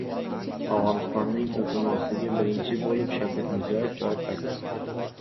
Afg‘onistonning iltimosiga birinchi bo‘lib Shavkat Mirziyoev javob qaytardi